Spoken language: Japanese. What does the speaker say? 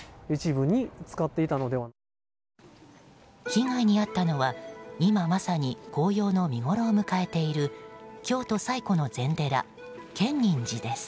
被害に遭ったのは、今まさに紅葉の見ごろを迎えている京都最古の禅寺、建仁寺です。